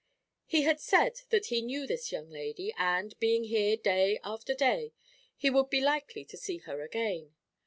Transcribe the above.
He had said that he knew this young lady, and, being here day after day, he would be likely to see her again.